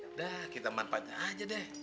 udah kita manfaatnya aja deh